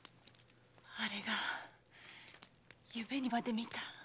あれが夢にまで見た！